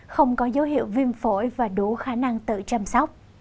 không có dấu hiệu viêm phổi và đủ khả năng tự chăm sóc